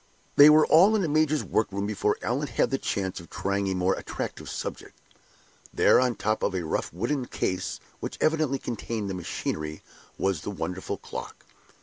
They were all in the major's workroom before Allan had the chance of trying a more attractive subject. There, on the top of a rough wooden case, which evidently contained the machinery, was the wonderful clock.